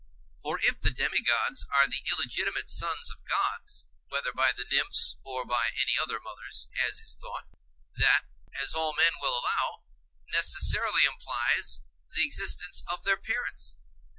For if the demigods are the illegitimate sons of gods, whether by the Nymphs or by any other mothers, as is thought, that, as all men will allow, necessarily implies the existence of their parents.